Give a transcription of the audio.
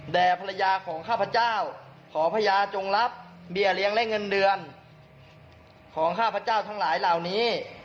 ภรรยาของข้าพเจ้าขอพญาจงรับเบี้ยเลี้ยงและเงินเดือนของข้าพเจ้าทั้งหลายเหล่านี้